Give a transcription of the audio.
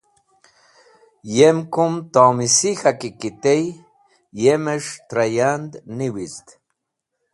Yem kum tomsik̃haki ki tey, yemes̃h tra yand niwizd.